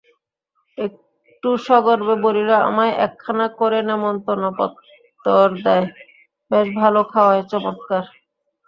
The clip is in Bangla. একটু সগর্বে বলিল, আমায় একখানা করে নেমন্তন্ন পত্তর দ্যায়, বেশ ভালো খাওয়ায়, চমৎকার।